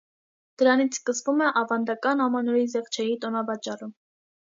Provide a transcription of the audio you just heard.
Դրանից սկսվում է ավանդական ամանորի զեղչերի տոնավաճառը։